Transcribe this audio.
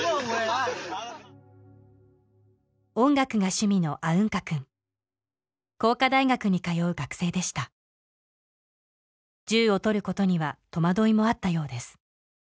音楽が趣味のアウンカくん工科大学に通う学生でした銃を取ることには戸惑いもあったようです